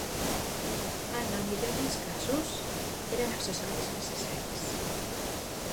En el millor dels casos, eren accessoris necessaris.